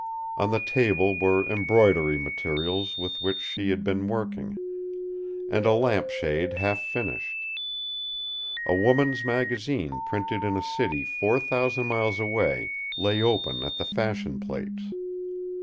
On the table were embroidery materials with which she had been working, and a lamp shade half finished. A woman's magazine printed in a city four thousand miles away lay open at the fashion plates.